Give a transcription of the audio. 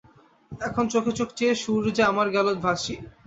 এখন চোখে চোখে চেয়ে সুর যে আমার গেল ভাসি।